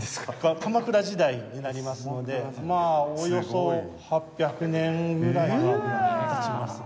鎌倉時代になりますのでまあおよそ８００年ぐらい経ちますよね。